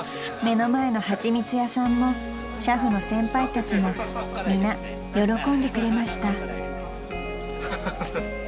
［目の前の蜂蜜屋さんも俥夫の先輩たちも皆喜んでくれました］